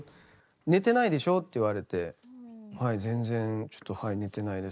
寝てないでしょ？」って言われて「はい全然ちょっとはい寝てないです」。